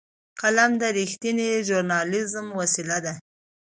قلم د رښتینې ژورنالېزم وسیله ده